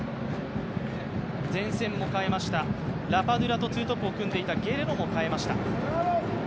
前線も代えました、ラパドゥラとツートップを組んでいたゲレロもかえました。